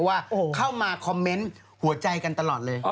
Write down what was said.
ว่าเข้ามาคอมเมนต์หัวใจกันตลอดเลย